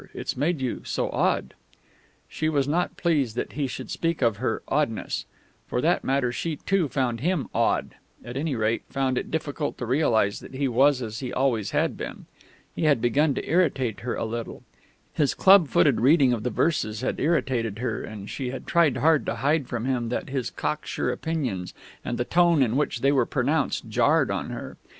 It's made you so odd." She was not pleased that he should speak of her "oddness." For that matter, she, too, found him "odd" at any rate, found it difficult to realise that he was as he always had been. He had begun to irritate her a little. His club footed reading of the verses had irritated her, and she had tried hard to hide from him that his cocksure opinions and the tone in which they were pronounced jarred on her.